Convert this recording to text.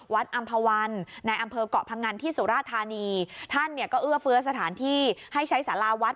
อำภาวันในอำเภอกเกาะพังงันที่สุราธานีท่านเนี่ยก็เอื้อเฟื้อสถานที่ให้ใช้สาราวัด